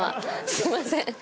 すいません。